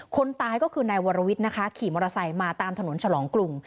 คนตายก็คือนายวรวิทย์นะคะขี่มอเตอร์ไซค์มาตามถนนฉลองกรุง